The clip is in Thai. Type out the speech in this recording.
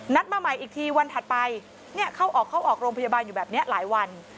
มาใหม่อีกทีวันถัดไปเข้าออกเข้าออกโรงพยาบาลอยู่แบบนี้หลายวัน